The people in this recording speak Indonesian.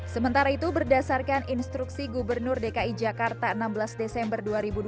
sementara itu berdasarkan instruksi gubernur dki jakarta enam belas desember dua ribu dua puluh